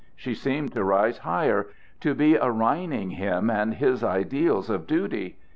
She seemed to rise higher to be arraigning him and his ideals of duty.